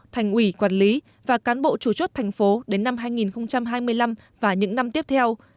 thành ủy quản lý và cán bộ chủ chốt thành phố đến năm hai nghìn hai mươi năm và những năm tiếp theo